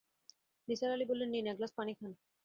নিসার আলি বললেন, নিন, এক গ্লাস পানি খান।